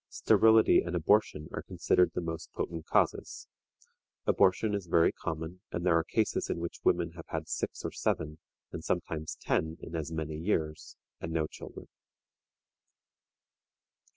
Sterility and abortion are considered the most potent causes. Abortion is very common, and there are cases in which women have had six or seven, and sometimes ten in as many years, and no children.